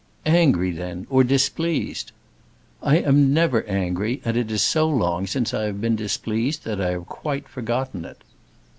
"Angry, then, or displeased." "I am never angry, and it is so long since I have been displeased that I have quite forgotten it."